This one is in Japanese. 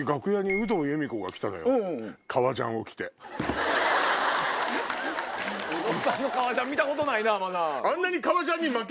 有働さんの革ジャン見たことないなまだ。